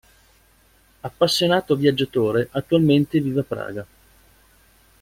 Appassionato viaggiatore, attualmente vive a Praga.